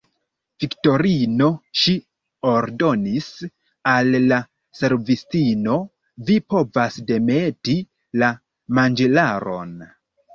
Viktorino, ŝi ordonis al la servistino, vi povas demeti la manĝilaron.